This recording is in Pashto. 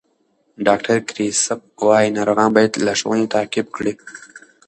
ډاکټر کریسپ وایي ناروغان باید لارښوونې تعقیب کړي.